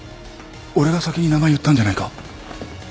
俺が先に名前言ったんじゃないか？